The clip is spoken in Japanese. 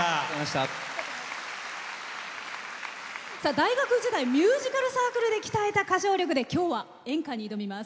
大学時代ミュージカルサークルで鍛えた歌唱力で今日は演歌に挑みます。